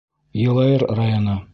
Йылайыр районы.